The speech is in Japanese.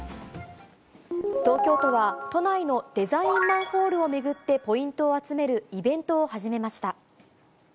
東京都は都内のデザインマンホールを巡ってポイントを集めるイベントを始めました。